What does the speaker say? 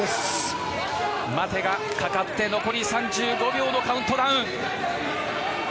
待てがかかって残り３５秒のカウントダウン。